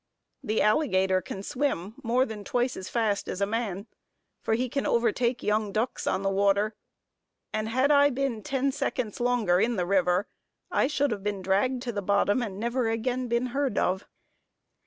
The alligator can swim more than twice as fast as a man, for he can overtake young ducks on the water; and had I been ten seconds longer in the river, I should have been dragged to the bottom, and never again been heard of.